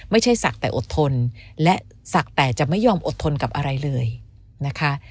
ไม่ใช่สักแต่อดทนและสักแต่จะไม่ยอมอดทนกับอะไรเลยนะคะ